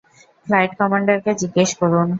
Flight কমান্ডারকে জিজ্ঞেস করুন।